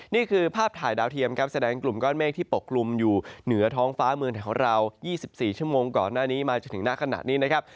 นี่คือภาพถ่ายดาวเทียมครับแสดงกลุ่มก้อนเมฆที่ปกลุ่มอยู่เหนือท้องฟ้าเมืองไทยของเรา๒๔ชั่วโมงก่อนหน้านี้มาจนถึงหน้าขณะนี้นะครับ